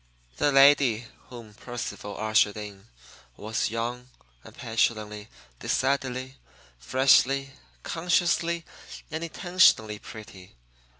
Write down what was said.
The lady whom Percival ushered in was young and petulantly, decidedly, freshly, consciously, and intentionally pretty.